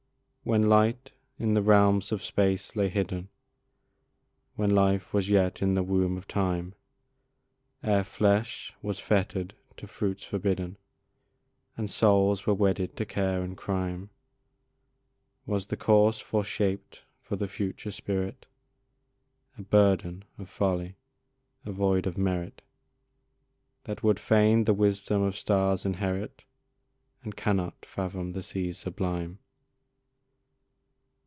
When light in the realms of space lay hidden, When life was yet in the womb of time, Ere flesh was fettered to fruits forbidden, And souls were wedded to care and crime, Was the course foreshaped for the future spirit A burden of folly, a void of merit That would fain the wisdom of stars inherit, And cannot fathom the seas sublime?